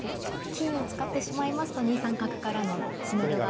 金を使ってしまいますと２三角からの詰めろが。